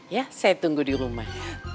ya saya tunggu di rumah